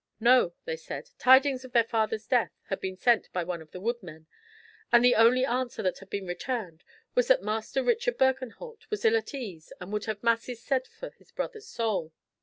"No," they said; "tidings of their father's death had been sent by one of the woodmen, and the only answer that had been returned was that Master Richard Birkenholt was ill at ease, but would have masses said for his brother's soul."